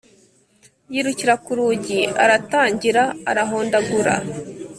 yirukira ku rugi aratangira arahondagura